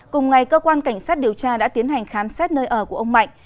cùng ngày cơ quan cảnh sát điều tra đã tiến hành khám xét nơi ở của ông mạnh